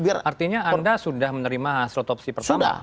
artinya anda sudah menerima hasil otopsi pertama